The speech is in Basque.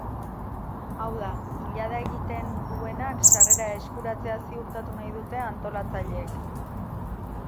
Hauda, ilada egiten duenak sarrera eskuratzea ziurtatu nahi dute antolatzaileek.